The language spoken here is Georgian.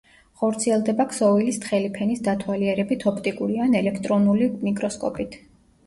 ხორციელდება ქსოვილის თხელი ფენის დათვალიერებით ოპტიკური ან ელექტრონული მიკროსკოპით.